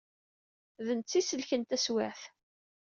D netta ay isellken taswiɛt.